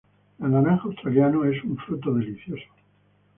La naranja australiana es un fruto delicioso.